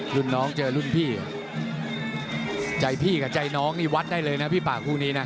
รุ่นน้องเจอรุ่นพี่ใจพี่กับใจน้องนี่วัดได้เลยนะพี่ป่าคู่นี้นะ